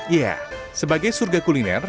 iya sebagai surga kuliner